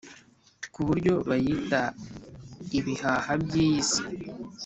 ku buryo bayita ibihaha by iyi si